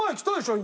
今。